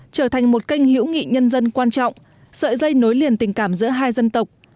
trở thành một kênh hữu nghị nhân dân quan trọng sợi dây nối liền tình cảm giữa hai dân tộc